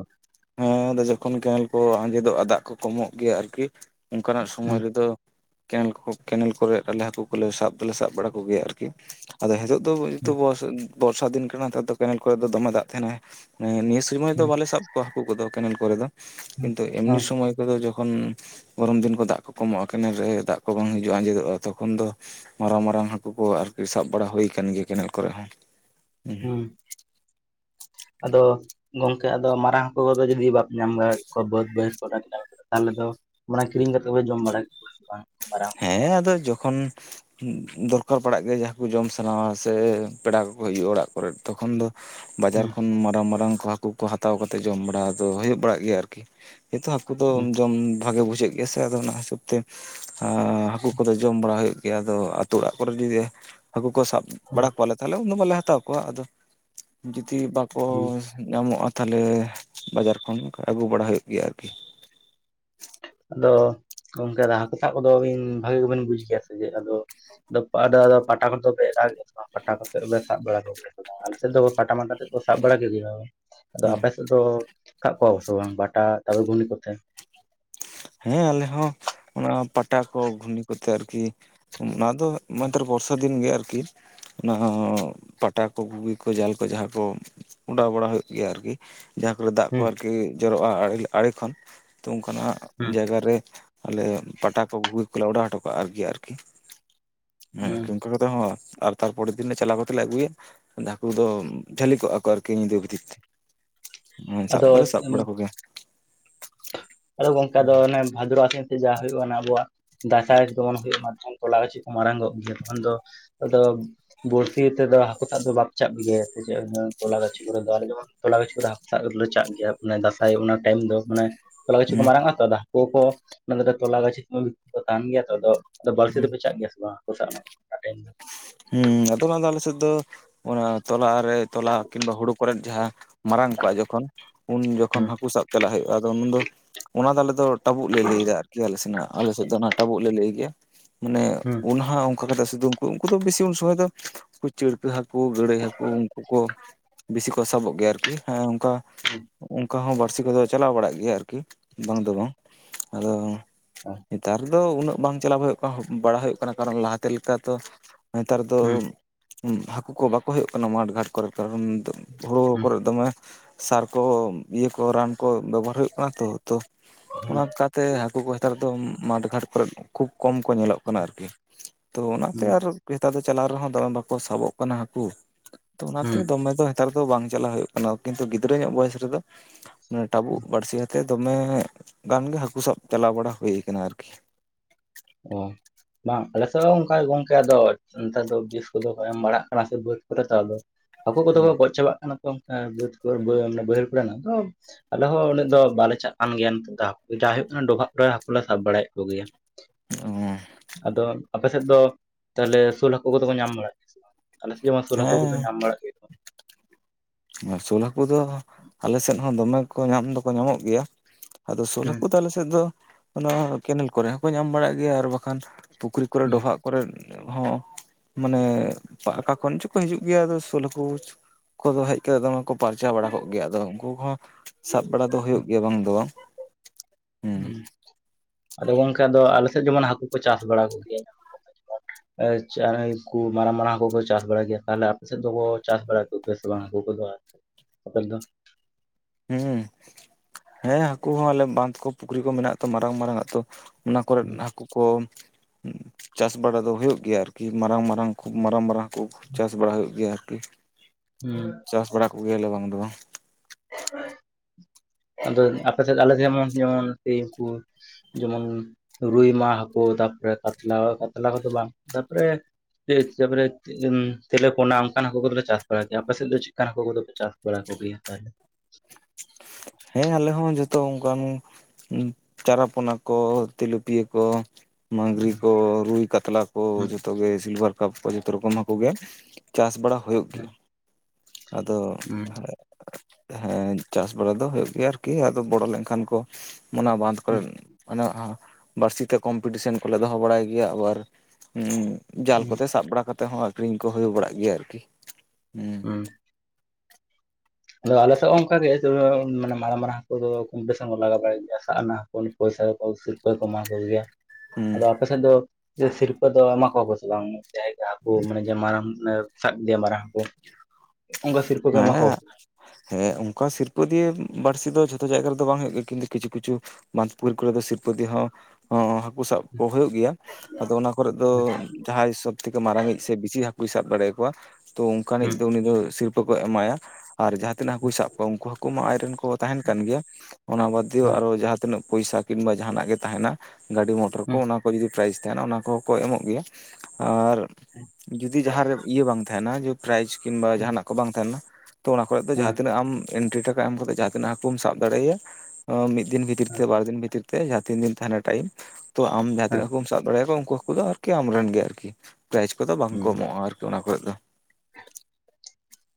ᱦᱮᱸ ᱡᱚᱠᱷᱚᱱ ᱠᱮᱱᱮᱞ ᱠᱚ ᱟᱸᱡᱮᱫᱚᱜᱼᱟ ᱫᱟᱜ ᱠᱚ ᱠᱚᱢᱚᱜ ᱜᱮᱭᱟ ᱟᱨᱠᱤ ᱚᱱᱠᱟᱱᱟᱜ ᱥᱚᱢᱚᱭ ᱦᱩᱸ ᱨᱮᱫᱚ ᱠᱮᱱᱮᱞ ᱠᱚ ᱠᱮᱱᱮᱞ ᱠᱚᱨᱮ ᱟᱞᱮ ᱦᱟᱹᱠᱳ ᱠᱚᱞᱮ ᱥᱟᱵ ᱫᱚᱞᱮ ᱥᱟᱵ ᱵᱟᱲᱟ ᱠᱚᱜᱮᱭᱟ ᱟᱨᱠᱤ ᱟᱫᱚ ᱦᱩᱸ ᱦᱤᱛᱳᱜ [unintelligible] ᱵᱚᱨᱥᱟ ᱫᱤᱱ ᱠᱟᱱᱟ ᱛᱚ ᱠᱮᱱᱮᱞ ᱠᱚᱨᱮ ᱫᱚ ᱫᱚᱢᱮ ᱫᱟᱜ ᱛᱟᱦᱮᱱᱟ ᱱᱤᱭᱟᱹ ᱥᱚᱢᱚᱭ ᱫᱚ ᱦᱩᱸ ᱵᱟᱞᱮ ᱥᱟᱵ ᱠᱚᱣᱟ ᱦᱟᱹᱠᱳ ᱠᱚᱫᱚ ᱠᱮᱱᱮᱞ ᱠᱚᱨᱮ ᱫᱚ ᱦᱩᱸ ᱠᱤᱱᱛᱩ ᱮᱢᱱᱤ ᱦᱩᱸ ᱥᱚᱢᱚᱭ [unintelligible] ᱫᱚ ᱡᱚᱠᱷᱚᱱ ᱜᱚᱨᱚᱢ ᱫᱤᱱ ᱠᱚ ᱫᱟᱜ ᱠᱚ ᱠᱚᱢᱚᱜᱼᱟ ᱠᱮᱱᱮᱞ ᱨᱮ ᱫᱟᱜ ᱠᱚ ᱵᱟᱝ ᱦᱤᱡᱩᱜᱼᱟ ᱟᱸᱡᱮᱫᱚᱜᱼᱟ ᱛᱚᱠᱷᱚᱱ ᱫᱚ ᱢᱟᱨᱟᱝ ᱢᱟᱨᱟᱝ ᱦᱟᱹᱠᱳ ᱠᱚ ᱟᱨᱠᱤ ᱥᱟᱵ ᱵᱟᱲᱟ ᱦᱳᱭ ᱟᱠᱟᱱ ᱜᱮᱭᱟ ᱠᱮᱱᱮᱞ ᱠᱚᱨᱮ ᱦᱚᱸ ᱦᱩᱸ ᱟᱫᱚ ᱜᱚᱝᱠᱮ ᱟᱫᱚ ᱢᱟᱨᱟᱝ ᱦᱟᱠᱳ ᱠᱚᱫᱚ ᱡᱩᱫᱤ ᱵᱟᱯᱮ ᱧᱟᱢ ᱵᱟᱲᱟ ᱠᱚᱣᱟ ᱵᱟᱹᱫ ᱵᱟᱹᱭᱦᱟᱹᱲ ᱠᱚᱨᱮ ᱛᱟᱦᱚᱞᱮ ᱫᱚ ᱢᱟᱱᱮ ᱠᱤᱨᱤᱧ ᱠᱟᱛᱮ ᱯᱮ ᱡᱚᱢ ᱵᱟᱲᱟ ᱠᱮᱫ ᱠᱚᱣᱟ ᱥᱮ ᱵᱟᱝ ᱢᱟᱨᱟᱝ ᱦᱮᱸ ᱟᱫᱚ ᱡᱚᱠᱷᱚᱱ ᱫᱚᱨᱠᱟᱨ ᱯᱟᱲᱟᱜ ᱜᱮᱭᱟ ᱡᱟᱦᱟᱸ ᱠᱚ ᱡᱚᱢ ᱥᱟᱱᱟᱣᱟ ᱥᱮ ᱯᱮᱲᱟ ᱠᱚᱠᱚ ᱦᱤᱡᱩ-ᱟ ᱚᱲᱟᱜ ᱠᱚᱨᱮᱜ ᱛᱚᱠᱷᱚᱱ ᱫᱚ ᱵᱟᱡᱟᱨ ᱦᱩᱸ ᱠᱷᱚᱱ ᱢᱟᱨᱟᱝ ᱢᱟᱨᱟᱝ ᱠᱚ ᱦᱟᱹᱠᱩ ᱠᱚ ᱦᱟᱛᱟᱣ ᱠᱟᱛᱮᱫ ᱡᱚᱢ ᱵᱟᱲᱟ ᱫᱚ ᱦᱳᱭᱳᱜ ᱵᱟᱲᱟᱜ ᱜᱮᱭᱟ ᱟᱨᱠᱤ [unintelligible] ᱩᱱᱠᱩ ᱫᱚ ᱦᱩᱸ ᱡᱚᱢ ᱵᱷᱟᱜᱮ ᱵᱩᱡᱷᱟᱹᱜ ᱜᱮᱭᱟ ᱥᱮ ᱟᱫᱚ ᱚᱱᱟ ᱦᱤᱥᱟᱹᱵ ᱛᱮ ᱦᱟᱟᱹᱠᱳ ᱠᱚᱫᱚ ᱡᱚᱢ ᱵᱟᱲᱟ ᱦᱳᱭᱳᱜ ᱜᱮᱭᱟ ᱟᱫᱚ ᱟᱛᱳ ᱚᱲᱟᱜ ᱠᱚᱨᱮ ᱡᱩᱫᱤ ᱦᱟᱹᱠᱳ ᱠᱚ ᱥᱟᱵ ᱦᱩᱸ ᱵᱟᱲᱟ ᱠᱚᱣᱟᱞᱮ ᱛᱟᱦᱚᱞᱮ ᱩᱱᱫᱚ ᱵᱟᱞᱮ ᱦᱟᱛᱟᱣ ᱠᱚᱣᱟ ᱟᱫᱚ ᱡᱩᱫᱤ ᱵᱟᱠᱚ ᱦᱩᱸ ᱧᱟᱢᱚᱜ-ᱟ ᱛᱟᱦᱚᱞᱮ ᱵᱟᱡᱟᱨ ᱠᱷᱚᱱ ᱚᱱᱠᱟ ᱟᱹᱜᱩ ᱵᱟᱲᱟ ᱦᱩᱭᱩᱜ ᱜᱮᱭᱟ ᱟᱨᱠᱤ ᱟᱫᱚ ᱜᱚᱝᱠᱮ ᱦᱟᱹᱠᱳ ᱥᱟᱵᱽ ᱠᱚᱫᱚᱵᱤᱱ ᱵᱷᱟᱜᱤ ᱜᱮᱵᱮᱱ ᱵᱩᱡᱽ ᱜᱮᱭᱟ ᱥᱮᱪᱮᱫ ᱟᱫᱚ ᱟᱫᱚ ᱟᱫᱚ ᱟᱫᱚ ᱯᱟᱴᱟ ᱠᱚᱫᱚ ᱯᱮ ᱚᱰᱟᱣ ᱜᱮᱭᱟ ᱥᱮᱵᱟᱝ ᱯᱟᱴᱟ ᱠᱚᱛᱮᱫ ᱵᱮᱱ ᱥᱟᱵ ᱵᱟᱲᱟ ᱠᱚᱜᱮᱭᱟ ᱟᱞᱮ ᱥᱮᱫ ᱫᱚ ᱯᱟᱴᱟ ᱢᱟᱴᱟ ᱛᱮᱫ ᱠᱚ ᱥᱟᱵ ᱵᱟᱲᱟ ᱠᱚᱜᱮᱭᱟ ᱟᱫᱚ ᱦᱮᱸ ᱟᱯᱮ ᱥᱮᱫ ᱫᱚ ᱠᱟᱜ ᱠᱚᱣᱟᱠᱚ ᱥᱮᱵᱟᱝ ᱵᱟᱴᱟ ᱛᱟᱯᱚᱨᱮ ᱜᱷᱩᱱᱤ ᱠᱚᱛᱮ ᱦᱮᱸ ᱟᱞᱮ ᱦᱚᱸ ᱚᱱᱟ ᱯᱟᱴᱟ ᱠᱚ ᱜᱷᱩᱱᱤ ᱠᱚᱛᱮ ᱟᱨᱠᱤ ᱚᱱᱟ ᱫᱚ ᱢᱟᱛᱨᱚ ᱵᱚᱨᱥᱟ ᱫᱤᱱ ᱜᱮ ᱟᱨᱠᱤ ᱚᱱᱟ ᱯᱟᱴᱟ ᱠᱚ ᱜᱷᱩᱜᱤ ᱠᱚ ᱡᱟᱞ ᱠᱚ ᱡᱟᱦᱟᱸ ᱠᱚ ᱚᱰᱟᱣ ᱵᱟᱲᱟ ᱦᱩᱭᱩᱜ ᱜᱮᱭᱟ ᱟᱨᱠᱤ ᱡᱟᱦᱟᱸ ᱠᱚᱨᱮ ᱫᱟᱜ ᱠᱚ ᱦᱩᱸ ᱟᱨᱠᱤ ᱡᱚᱨᱚᱜᱼᱟ ᱟᱲᱤ ᱟᱲᱮ ᱠᱷᱚᱱ ᱛᱚ ᱚᱱᱠᱟᱱᱟᱜ ᱦᱩᱸ ᱡᱟᱭᱜᱟ ᱨᱮ ᱟᱞᱮ ᱯᱟᱴᱟ ᱠᱚ ᱜᱷᱩᱜᱤ ᱠᱚᱞᱮ ᱚᱰᱟᱣ ᱦᱚᱴᱚ ᱠᱟᱜ-ᱟ ᱟᱨᱠᱤ ᱟᱨᱠᱤ ᱦᱩᱸ ᱚᱱᱠᱟ [unintelligible] ᱛᱟᱨᱯᱚᱨᱮᱨ ᱫᱤᱱᱞᱮ ᱪᱟᱞᱟᱣ ᱠᱟᱛᱮ ᱞᱮ ᱟᱹᱜᱩᱭᱟ ᱦᱟᱹᱠᱳ ᱫᱚ ᱡᱷᱟᱹᱞᱤ ᱠᱚᱜ-ᱟ ᱠᱚ ᱟᱨᱠᱤ ᱧᱤᱫᱟᱹ ᱵᱷᱤᱛᱤᱨ ᱛᱮ ᱥᱟᱵ ᱟᱫᱚ ᱫᱚᱞᱮ ᱥᱟᱵ ᱵᱟᱲᱟ ᱠᱚᱜᱮᱭᱟ ᱟᱫᱚ ᱜᱚᱝᱠᱮ ᱟᱫᱚ ᱚᱱᱮ ᱵᱷᱟᱫᱨᱚ ᱟᱥᱤᱱᱛᱮ ᱡᱟᱸᱦᱟ ᱦᱳᱭᱳᱜ-ᱟ ᱚᱱᱟ ᱟᱵᱚᱣᱟᱜ ᱫᱟᱸᱥᱟᱭ ᱫᱚᱱ ᱦᱳᱭᱳᱜ-ᱟ [unintelligible] ᱛᱚᱞᱟ ᱜᱟᱪᱷᱤ ᱠᱚ ᱢᱟᱨᱟᱝ ᱜᱚᱫᱚᱽ ᱜᱮᱭᱟ ᱛᱚᱠᱷᱚᱱ ᱫᱚ ᱟᱫᱚ ᱵᱚᱲᱥᱤ ᱭᱟᱛᱮᱫᱚ ᱦᱟᱹᱠᱳ ᱥᱟᱵ ᱫᱚ ᱵᱟᱯᱮ ᱪᱟᱜ ᱜᱮᱭᱟ ᱥᱮᱪᱮᱫ ᱛᱚᱞᱟ ᱜᱟᱹᱪᱷᱤ ᱠᱚᱨᱮ ᱫᱚ ᱟᱨ ᱡᱚᱠᱦᱚᱱ ᱛᱚᱞᱟ ᱜᱟᱹᱪᱷᱤ ᱠᱚᱨᱮ ᱥᱟᱵᱽ ᱠᱚᱫᱚᱞᱮ ᱪᱟᱜ ᱜᱮᱭᱟ ᱢᱟᱱᱮ ᱫᱟᱥᱟᱸᱭ ᱚᱱᱟ ᱴᱟᱭᱤᱢ ᱫᱚ ᱢᱟᱱᱮ ᱛᱚᱞᱟ ᱜᱟᱹᱪᱷᱤ ᱠᱚ ᱦᱮᱸ ᱢᱟᱨᱟᱝ-ᱟ ᱛᱚ ᱟᱫᱚ ᱦᱟᱹᱠᱩ ᱠᱚ ᱚᱱᱚ ᱛᱚᱞᱟ ᱜᱟᱹᱪᱷᱤ [unintelligible] [unintelligible] ᱠᱚ ᱛᱟᱦᱮᱱ ᱜᱮᱭᱟ ᱛᱚ ᱟᱫᱚ ᱟᱫᱚ ᱵᱟᱹᱲᱥᱤ ᱦᱮᱸ ᱫᱚᱯᱮ ᱪᱟᱜ ᱜᱮᱭᱟ ᱥᱮ ᱵᱟᱝ ᱦᱟᱹᱠᱳ ᱥᱟᱵ ᱦᱚᱸ ᱚᱱᱟ ᱴᱟᱭᱤᱢ ᱫᱚ ᱦᱮᱸ ᱟᱫᱚ ᱚᱱᱟ ᱫᱚ ᱟᱞᱮ ᱥᱮᱫ ᱫᱚ ᱚᱱᱟ ᱛᱚᱞᱟ ᱛᱚᱞᱟ ᱠᱤᱱᱵᱟ ᱦᱳᱲᱳ ᱠᱚᱨᱮᱫ ᱡᱟᱦᱟ ᱢᱟᱨᱟᱝ ᱠᱚᱜ-ᱟ ᱡᱚᱠᱷᱚᱱ ᱩᱱ ᱡᱚᱠᱷᱚᱱ ᱦᱩᱸ ᱦᱟᱹᱠᱩ ᱥᱟᱵ ᱪᱟᱞᱟᱜ ᱦᱩᱭᱩᱜᱼᱟ, ᱟᱫᱚ ᱩᱱ ᱫᱚ, ᱚᱱᱟ ᱫᱚ ᱟᱞᱮ ᱫᱚ ᱴᱟᱵᱩᱜ ᱞᱮ ᱞᱟᱹᱭᱫᱟ ᱟᱨᱠᱤ ᱟᱞᱮ ᱥᱮᱱᱟᱜ ᱟᱞᱮ ᱥᱮᱫ ᱫᱚ ᱚᱱᱟ ᱴᱟᱵᱩᱩᱜ ᱞᱮ ᱞᱟᱹᱭ ᱜᱮᱭᱟ ᱾ ᱢᱟᱱᱮ ᱦᱩᱸ ᱩᱱ ᱦᱟᱸᱜ, ᱚᱱᱠᱟ ᱠᱟᱛ ᱥᱩᱫᱷᱩ ᱩᱱᱠᱩ ᱩᱱᱠᱩ ᱫᱚ ᱵᱮᱥᱤ ᱩᱱ ᱥᱚᱢᱚᱭ ᱫᱚ ᱩᱱᱠᱩ ᱪᱤᱲᱠᱟᱹ ᱦᱟᱹᱠᱩ, ᱜᱟᱹᱲᱟᱹᱭ ᱦᱟᱹᱠᱩ, ᱩᱱᱠᱩ ᱠᱚ ᱵᱮᱥᱤ ᱠᱚ ᱥᱟᱵᱚᱜ ᱜᱮᱭᱟ ᱟᱨᱠᱤ ᱦᱮᱸ ᱚᱱᱠᱟ ᱾ ᱚᱱᱠᱟ ᱦᱚᱸ ᱵᱟᱹᱲᱥᱤ ᱠᱚᱫᱚ ᱪᱟᱞᱟᱣ ᱵᱟᱲᱟᱜ ᱜᱮᱭᱟ, ᱟᱨᱠᱤ ᱵᱟᱝ ᱫᱚ ᱵᱟᱝ ᱟᱫᱚ, ᱱᱮᱛᱟᱨ ᱫᱚ ᱩᱱᱟᱹᱜ ᱵᱟᱝ ᱪᱟᱞᱟᱣ ᱦᱩᱭᱩᱜ ᱵᱟᱲᱟ ᱦᱩᱭᱩᱜ ᱠᱟᱱᱟ ᱠᱟᱨᱚᱱ ᱞᱟᱦᱟᱛᱮ ᱞᱮᱠᱟ ᱛᱚ ᱾ ᱱᱮᱛᱟᱨ ᱫᱚ ᱦᱩᱸ ᱦᱟᱹᱠᱩ ᱠᱚ ᱵᱟᱠᱚ ᱦᱩᱭᱩᱜ ᱠᱟᱱᱟ ᱢᱟᱴ ᱜᱷᱟᱴ, ᱠᱚᱨᱮ ᱠᱟᱨᱚᱱ ᱦᱩᱲᱩ ᱦᱩᱸ ᱦᱩᱸ ᱠᱚᱨᱮ ᱫᱚᱢᱮ ᱥᱟᱨ ᱠᱚ ᱤᱭᱟᱹ ᱠᱚ ᱨᱟᱱ ᱠᱚ ᱵᱮᱵᱚᱦᱟᱨ ᱦᱩᱭᱩᱜ ᱠᱟᱱᱟ ᱛᱚ, ᱛᱚ ᱚᱱᱟ ᱠᱟᱛᱮ ᱦᱟᱹᱠᱩ ᱠᱚ, ᱱᱮᱛᱟᱨ ᱫᱚ ᱢᱟᱴ ᱜᱷᱟᱴ ᱠᱚᱨᱮ ᱠᱷᱩᱵᱽ ᱠᱚᱢ ᱠᱚ ᱧᱮᱞᱚᱜ ᱠᱟᱱᱟ, ᱟᱨᱠᱤ ᱛᱚ ᱚᱱᱟᱛᱮ ᱦᱩᱸ ᱟᱨ, ᱱᱮᱛᱟᱨ ᱫᱚ ᱪᱟᱞᱟᱣ ᱨᱮᱦᱚᱸ ᱫᱚᱢᱮ ᱵᱟᱠᱚ ᱥᱟᱵᱚᱜ ᱠᱟᱱᱟ ᱦᱟᱠᱩ ᱾ ᱛᱚ ᱚᱱᱟᱛᱮ ᱦᱩᱸ ᱫᱚᱢᱮ ᱫᱚ, ᱱᱮᱛᱟᱨ ᱫᱚ ᱵᱟᱝ ᱪᱟᱞᱟᱜ ᱦᱩᱭᱩᱜ ᱠᱟᱱᱟ ᱠᱤᱱᱛᱩ ᱜᱤᱫᱽᱨᱟᱹ ᱧᱚᱜ ᱵᱚᱭᱮᱥ ᱨᱮᱫᱚ, ᱴᱟᱵᱩᱜ ᱵᱟᱹᱲᱥᱤ ᱭᱟᱛᱮ, ᱛᱮ ᱫᱚᱢᱮ ᱜᱟᱱ ᱜᱮ ᱦᱟᱹᱠᱩ ᱥᱟᱵ ᱪᱟᱞᱟᱣ ᱵᱟᱲᱟ ᱦᱩᱭ ᱟᱠᱟᱱᱟ ᱟᱨᱠᱤ ᱾ ᱚ ᱵᱟᱝ ᱟᱞᱮ ᱥᱮᱫ ᱦᱚᱸ ᱚᱱᱠᱟ ᱜᱚᱝᱠᱮ ᱟᱫᱚ, ᱱᱮᱛᱟᱨ ᱫᱚ ᱵᱮᱥ ᱠᱚᱫᱚ ᱠᱚ ᱮᱢ ᱵᱟᱲᱟᱜ ᱠᱟᱱᱟ ᱥᱮ ᱵᱟᱹᱫᱽ ᱠᱚᱨᱮ ᱛᱚ ᱟᱫᱚ ᱦᱟᱹᱠᱩ ᱠᱚᱫᱚ ᱠᱚ ᱜᱚᱡ ᱪᱟᱵᱟᱜ ᱠᱟᱱᱟ ᱾ [unintelligible] ᱵᱟᱹᱭᱦᱟᱹᱲ ᱠᱳᱲᱮᱱᱟᱜ ᱟᱞᱮ ᱦᱚᱸ ᱩᱱᱟ ᱫᱚ ᱵᱟᱞᱮ ᱪᱟᱜ ᱠᱟᱱ ᱜᱮᱭᱟ ᱱᱤᱛᱚᱜ ᱫᱚ ᱦᱟᱹᱠᱩ ᱡᱟ ᱦᱩᱭᱩᱜ ᱠᱟᱱᱟ ᱰᱚᱵᱷᱟᱜ ᱨᱮ ᱦᱟᱹᱠᱩ ᱞᱮ ᱥᱟᱵ ᱵᱟᱲᱟᱭᱮᱫ ᱠᱚ ᱜᱮᱭᱟ ᱾ [unintelligible] ᱟᱫᱚ ᱟᱯᱮ ᱥᱮᱫ ᱫᱚ ᱛᱟᱦᱚᱞᱮ ᱥᱳᱞ ᱦᱟᱹᱠᱩ ᱠᱚᱫᱚ ᱠᱚ ᱧᱟᱢ ᱵᱟᱲᱟᱜᱼᱟ ᱥᱮ ᱵᱟᱝ? ᱟᱞᱮ ᱥᱮᱫ ᱦᱚᱸ ᱟᱥᱩᱞ ᱦᱟᱹᱠᱩ ᱠᱚᱫᱚ ᱦᱮᱸ ᱧᱟᱢ ᱵᱟᱲᱟᱜ ᱜᱮᱭᱟ ᱾ ᱟᱨ ᱟᱥᱩᱞ ᱦᱟᱹᱠᱩ ᱫᱚ ᱟᱞᱮ ᱥᱮᱫ ᱦᱚᱸ ᱫᱚᱢᱮ ᱠᱚ ᱧᱟᱢ ᱫᱚᱠᱚ ᱧᱟᱢᱚᱜ ᱜᱮᱭᱟ ᱾ ᱟᱫᱚ ᱥᱳᱞ ᱦᱩᱸ ᱦᱟᱹᱠᱩ ᱟᱞᱮ ᱥᱮᱫ ᱫᱚ ᱚᱱᱟ ᱠᱮᱱᱮᱞ ᱠᱚᱨᱮ ᱦᱚᱸᱠᱚ ᱧᱟᱢ ᱵᱟᱲᱟᱜ ᱜᱮᱭᱟ ᱟᱨ ᱵᱟᱠᱷᱟᱱ ᱯᱩᱠᱷᱨᱤ ᱠᱚᱨᱮ ᱦᱩᱸ ᱰᱚᱵᱷᱟᱜ ᱠᱚᱨᱮ ᱦᱚᱸ ᱢᱟᱱᱮ ᱯᱠᱟ ᱠᱷᱚᱱ ᱪᱚᱠᱚ ᱦᱤᱡᱩᱜ ᱜᱮᱭᱟ, ᱟᱫᱚ ᱟᱥᱩᱞ ᱦᱟᱹᱠᱩ ᱠᱚᱫᱚ ᱦᱮᱡ ᱮᱠᱟᱹ ᱫᱚᱢᱮ ᱠᱚ ᱯᱟᱨᱪᱟ ᱵᱟᱲᱟ ᱠᱚᱜ ᱜᱮᱭᱟ, ᱟᱫᱚ ᱩᱱᱠᱩ ᱠᱚᱦᱚᱸ ᱥᱟᱵ ᱵᱟᱲᱟ ᱫᱚ ᱦᱩᱭᱩᱜ ᱜᱮᱭᱟ ᱵᱟᱝ ᱫᱚ ᱵᱟᱝ ᱾ ᱦᱩᱸ ᱟᱫᱚ ᱜᱚᱝᱠᱮ ᱟᱫᱚ ᱟᱞᱮ ᱥᱮᱫ ᱡᱮᱢᱚᱱ ᱦᱟᱹᱠᱩ ᱠᱚ ᱪᱟᱥ ᱵᱟᱲᱟ ᱠᱚᱜᱮᱭᱟ ᱾ ᱢᱟᱨᱟᱝ ᱢᱟᱨᱟᱝ ᱠᱚᱠᱚ ᱪᱟᱥ ᱵᱟᱲᱟᱭ ᱜᱮᱭᱟ ᱛᱟᱦᱚᱞᱮ ᱟᱯᱮ ᱥᱮᱫ ᱫᱚᱠᱚ ᱪᱟᱥ ᱵᱟᱲᱟ ᱜᱮᱭᱟ ᱚᱱᱠᱟᱱ ᱦᱟᱠᱩ ᱠᱚᱫᱚ ᱟᱨ ᱟᱯᱮ ᱫᱚ? ᱦᱮᱸ ᱦᱮᱸ ᱦᱟᱹᱠᱩ ᱦᱚᱸ ᱟᱞᱮ ᱵᱟᱸᱫᱷ ᱠᱚ ᱯᱩᱠᱷᱨᱤ ᱠᱚ ᱢᱮᱱᱟᱜ ᱛᱚ ᱢᱟᱨᱟᱝ ᱢᱟᱨᱟᱝ ᱟᱜ ᱛᱚ ᱾ ᱚᱱᱟ ᱠᱚᱨᱮ ᱦᱟᱹᱠᱩ ᱠᱚ ᱪᱟᱥ ᱵᱟᱲᱟ ᱫᱚ ᱦᱩᱭᱩᱜ ᱜᱮᱭᱟ ᱟᱨᱠᱤ ᱢᱟᱨᱟᱝ ᱠᱩ ᱢᱟᱨᱟᱝ ᱦᱟᱹᱠᱩ ᱢᱟᱨᱟᱝ ᱢᱟᱨᱟᱝ ᱦᱟᱹᱠᱩ ᱪᱟᱥ ᱵᱟᱲᱟ ᱦᱩᱭᱩᱜ ᱜᱮᱭᱟ ᱟᱨᱠᱤ ᱦᱩᱸ ᱪᱟᱥ ᱵᱟᱲᱟ ᱠᱚ ᱜᱮᱭᱟᱞᱮ ᱵᱟᱝ ᱫᱚ [unintelligible] ᱟᱫᱚ ᱟᱯᱮ ᱥᱮᱫ ᱟᱞᱮ ᱡᱮᱢᱚᱱ ᱩᱱᱠᱩ ᱡᱮᱢᱚᱱ ᱨᱩᱭᱢᱟ ᱦᱟᱹᱠᱩ ᱛᱟᱨᱯᱚᱨᱮ ᱠᱟᱛᱞᱟ ᱠᱟᱛᱞᱟ ᱠᱚᱫᱚ ᱵᱟᱝ, ᱛᱟᱨᱯᱚᱨᱮ [unintelligible] ᱛᱮᱞᱮ ᱯᱚᱱᱟ ᱚᱱᱠᱟᱱ ᱦᱟᱹᱠᱩ ᱠᱚᱫᱚ ᱞᱮ ᱪᱟᱥ ᱵᱟᱲᱟ ᱜᱮᱭᱟ ᱟᱯᱮ ᱥᱮᱫ ᱫᱚ ᱪᱤᱠᱟᱱ ᱦᱟᱹᱠᱩ ᱠᱚᱫᱚ ᱯᱮ ᱪᱟᱥ ᱵᱟᱲᱟ ᱠᱚᱜ ᱜᱮᱭᱟ ᱛᱟᱦᱚᱞᱮ ᱾ ᱦᱮᱸ ᱟᱞᱮ ᱦᱚᱸ ᱡᱚᱛᱚ ᱚᱱᱠᱟᱱ, ᱪᱟᱨᱟᱯᱚᱱᱟ ᱠᱚ, ᱛᱤᱞᱤᱯᱤᱭᱳ ᱠᱚ, ᱢᱜᱽᱨᱤ ᱦᱩᱸ ᱠᱚ ᱨᱩᱭ ᱠᱟᱛᱞᱟ ᱠᱚ ᱡᱚᱛᱚ ᱜᱮ ᱥᱤᱞᱵᱷᱟᱨ ᱠᱟᱯ ᱠᱚ ᱡᱚᱛᱚ ᱨᱚᱠᱚᱢ ᱦᱟᱹᱠᱩ ᱜᱮ ᱾ ᱪᱟᱥ ᱵᱟᱲᱟ ᱦᱩᱭᱩᱜ ᱦᱩᱸ ᱜᱮᱭᱟ, ᱟᱫᱚ ᱦᱮᱸ ᱪᱟᱥ ᱵᱟᱲᱟ, ᱦᱩᱭᱩᱜ ᱜᱮᱭᱟ ᱟᱨᱠᱤ ᱟᱫᱚ ᱵᱚᱲᱚ ᱞᱮᱱᱠᱷᱟᱱ ᱠᱚ ᱚᱱᱟ ᱵᱟᱸᱫᱷ ᱠᱚᱨᱮ, ᱦᱩᱸ ᱵᱟᱹᱲᱥᱤᱛᱮ ᱠᱚᱢᱯᱤᱴᱤᱥᱟᱱ ᱠᱚᱞᱮ ᱫᱚᱦᱚ ᱵᱟᱲᱟᱭ ᱜᱮᱭᱟ ᱾ ᱟᱨ ᱡᱟᱞ ᱦᱩᱸ ᱠᱚᱛᱮ ᱥᱟᱵ ᱵᱟᱲᱟ ᱠᱟᱛᱮ ᱦᱚᱸ ᱾ ᱟᱠᱷᱨᱤᱧ ᱠᱚ ᱦᱩᱭ ᱵᱟᱲᱟᱜ ᱜᱮᱭᱟ ᱟᱨᱠᱤ, ᱦᱩᱸ ᱟᱫᱚ ᱟᱞᱮ ᱥᱮᱫ ᱦᱚᱸ ᱚᱱᱠᱟ ᱜᱮ ᱟᱱᱮ ᱢᱟᱨᱟᱝ ᱢᱟᱨᱟᱝ ᱦᱟᱹᱠᱩ ᱫᱚ ᱠᱚᱢᱯᱤᱴᱤᱥᱚᱱ ᱠᱚ ᱞᱟᱜᱟᱣ ᱵᱟᱲᱟᱭ ᱜᱮᱭᱟ ᱥᱟᱵ ᱟᱱᱟ ᱾ ᱯᱚᱭᱥᱟ ᱫᱚ ᱠᱚ ᱥᱤᱨᱯᱟ ᱚᱢᱟᱣ ᱠᱚ ᱜᱮᱭᱟ ᱾ ᱦᱩᱸ ᱟᱫᱚ ᱟᱯᱮ ᱥᱮᱫ ᱫᱚ ᱥᱤᱨᱯᱟᱹ ᱫᱚ ᱮᱢᱟ ᱠᱚᱣᱟ ᱠᱚ ᱥᱮ ᱵᱟᱝ ᱡᱟᱭᱜᱟ ᱦᱟᱹᱠᱩ ᱢᱟᱱᱮ ᱡᱮ ᱢᱟᱨᱟᱝ ᱥᱟᱵ ᱫᱮᱭᱟ ᱢᱟᱨᱟᱝ ᱦᱟᱹᱠᱩ ᱚᱱᱠᱟ ᱥᱤᱨᱯᱟᱹ ᱜᱮ ᱮᱢᱟ ᱠᱚᱼᱟ ᱦᱮᱸ ᱦᱮᱸ ᱚᱱᱠᱟ ᱥᱤᱨᱯᱟᱹ ᱫᱤᱭᱮ ᱵᱟᱹᱲᱥᱤ ᱫᱚ ᱡᱚᱛᱚ ᱡᱟᱭᱜᱟ ᱨᱮᱫᱚ ᱵᱟᱝ ᱜᱮ ᱠᱤᱱᱛᱩ ᱠᱤᱪᱷᱩ ᱠᱤᱪᱷᱩ ᱵᱟᱸᱫᱷ ᱯᱩᱠᱷᱨᱤ ᱠᱚᱨᱮ ᱫᱚ ᱥᱤᱨᱯᱟᱹ ᱫᱤᱭᱮ ᱦᱚᱸ ᱚᱸ ᱦᱟᱹᱠᱩ ᱥᱟᱵ ᱠᱚ ᱦᱩᱭᱩᱜ ᱜᱮᱭᱟ ᱟᱫᱚ ᱚᱱᱟ ᱠᱚᱨᱮ ᱫᱚ ᱡᱟᱦᱟᱸ ᱦᱤᱥᱟᱹᱵ ᱛᱮᱠᱚ ᱢᱟᱨᱟᱝ ᱤᱡ ᱥᱮ ᱵᱤᱥᱤ ᱦᱟᱹᱠᱩᱭ ᱥᱟᱵ ᱫᱟᱲᱮᱭᱟᱠᱚᱣᱟ ᱛᱚ ᱚᱱᱠᱟᱱᱤᱡ ᱫᱚ ᱩᱱᱤ ᱫᱚ ᱥᱤᱨᱯᱟᱹ ᱠᱚ ᱮᱢᱟᱭᱟ ᱾ ᱟᱨ ᱡᱟᱦᱟᱸ ᱛᱤᱱᱟᱹᱜ ᱦᱠᱩᱭ ᱥᱟᱵ ᱠᱚᱣᱟ ᱩᱱᱠᱩ ᱦᱟᱹᱠᱩ ᱢᱟ ᱟᱡᱨᱮᱱ ᱠᱚ ᱛᱟᱦᱮᱱ ᱠᱟᱱ ᱜᱮᱭᱟ ᱚᱱᱟ ᱵᱟᱫ ᱫᱤᱭᱮ ᱟᱨᱚ ᱡᱟᱦᱟᱸᱛᱤᱱᱟᱹᱜ ᱯᱚᱭᱥᱟ ᱠᱤᱵᱟ ᱡᱟᱦᱱᱟᱜ ᱜᱮ ᱛᱟᱦᱮᱱᱟ ᱜᱟᱹᱰᱤ ᱢᱚᱴᱚᱨ ᱠᱚ ᱚᱱᱟ ᱠᱚ ᱡᱩᱫᱤ ᱯᱨᱟᱭᱤᱡᱽ ᱛᱟᱦᱮᱱᱟ ᱚᱱᱟ ᱠᱚᱦᱚᱸ ᱠᱚ ᱮᱢᱚᱜ ᱜᱮᱭᱟ ᱟᱨ ᱡᱩᱫᱤ ᱡᱟᱦᱟᱸᱨᱮ ᱤᱭᱟᱹ ᱵᱟᱝ ᱛᱟᱦᱮᱱᱟ ᱡᱮ ᱯᱨᱟᱭᱤᱡ ᱠᱤᱢᱵᱟ ᱡᱟᱦᱟᱱᱟᱜ ᱠᱚ ᱵᱟᱝ ᱛᱟᱦᱮᱱᱟ ᱛᱚ ᱚᱱᱟ ᱠᱚᱨᱮ ᱫᱚ ᱡᱟᱦᱟᱸ ᱛᱤᱱᱟᱹᱜ ᱟᱢ ᱮᱱᱴᱨᱤ ᱴᱟᱠᱟ ᱠᱟ ᱮᱢ ᱠᱟᱛᱮ ᱡᱟᱦᱟᱸ ᱛᱤᱱᱟᱹᱜ ᱦᱟᱹᱠᱩᱢ ᱥᱟᱵ ᱫᱟᱲᱮᱣᱟᱭᱟ ᱢᱤᱫ ᱫᱤᱱ ᱵᱷᱤᱛᱤᱨ ᱛᱮ ᱵᱟᱨ ᱫᱤᱱ ᱵᱷᱤᱛᱤᱨ ᱛᱮ ᱾ ᱡᱟᱦᱟᱸ ᱛᱤᱱ ᱫᱤᱱ ᱛᱟᱦᱮᱱᱟ ᱴᱟᱭᱤᱢ ᱛᱮ ᱟᱢ ᱡᱟᱦᱟᱸ ᱛᱱᱟᱹᱜ ᱦᱟᱹᱠᱩᱢ ᱥᱟᱵ ᱫᱟᱲᱮᱭᱟᱠᱚᱣᱟ ᱩᱱᱠᱩ ᱦᱟᱹᱠᱩ ᱫᱚ ᱟᱨᱠᱤ ᱟᱢᱨᱮᱱ ᱜᱮ ᱟᱨᱠᱤ ᱯᱨᱟᱭᱤᱡ ᱠᱚᱫᱚ ᱵᱟᱝ ᱠᱚ ᱮᱢᱚᱜᱼᱟ ᱟᱨᱠᱤ ᱚᱱᱟ ᱠᱚᱨᱮ ᱫᱚ ᱾